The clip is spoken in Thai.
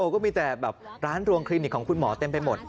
ก็มีแต่แบบร้านรวมคลินิกของคุณหมอเต็มไปหมด